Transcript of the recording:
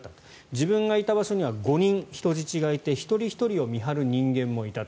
自分がいた場所には５人人質がいて一人ひとりを見張る人間もいた。